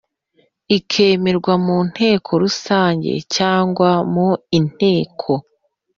ikemerwa mu nteko Rusange cyangwa mu inteko